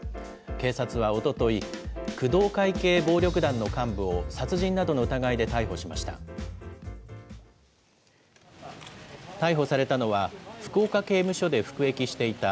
警察はおととい、工藤会系暴力団の幹部を殺人などの疑いで逮捕しました。